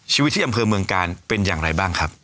ชีวิตที่อำเภอเมืองกาลเป็นอย่างไรบ้างครับ